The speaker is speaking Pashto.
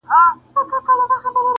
خو دايوه پوښتنه دا کوم چي ولي ريشا ,